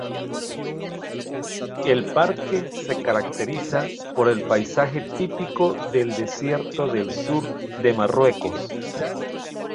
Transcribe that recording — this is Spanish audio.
El parque se caracteriza por el paisaje típico del desierto del sur de Marruecos.